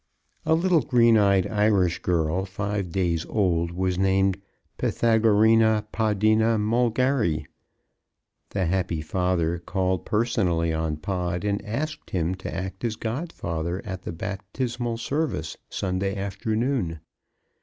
A little green eyed Irish girl, five days old, was named Pythagorina Podina Mulgarry. The happy father called personally on Pod and asked him to act as godfather at the baptismal service, Sunday afternoon.